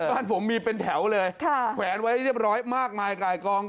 บ้านผมมีเป็นแถวเลยแขวนไว้เรียบร้อยมากมายไก่กอง